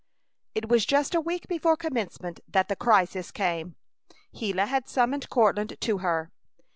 It was just a week before Commencement that the crisis came. Gila had summoned Courtland to her.